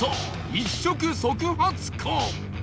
一触即発か